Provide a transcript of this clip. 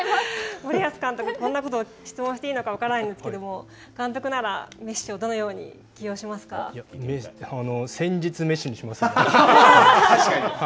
森保監督にこんなことを質問していいのか分からないんですけども監督ならメッシをどのように起戦術メッシにしますね。